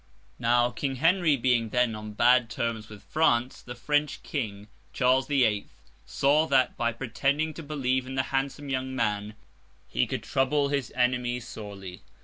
Now, King Henry being then on bad terms with France, the French King, Charles the Eighth, saw that, by pretending to believe in the handsome young man, he could trouble his enemy sorely.